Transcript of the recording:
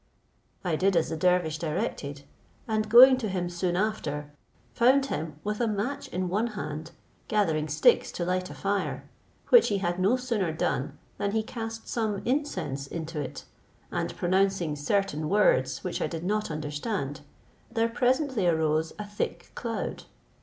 I did as the dervish directed; and going to him soon after, found him with a match in one hand, gathering sticks to light a fire; which he had no sooner done, than he cast some incense into it, and pronouncing certain words which I did not understand, there presently arose a thick cloud.